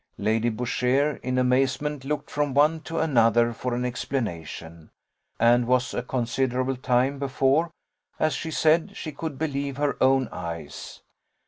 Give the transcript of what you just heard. Lady Boucher, in amazement, looked from one to another for an explanation, and was a considerable time before, as she said, she could believe her own eyes.